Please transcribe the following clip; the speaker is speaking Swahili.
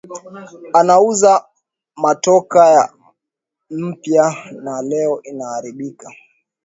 Anauza motoka ya mupya na leo inaaribika